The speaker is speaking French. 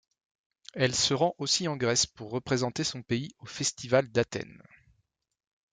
Elle se rend aussi en Grèce pour représenter son pays au Festival d’Athènes.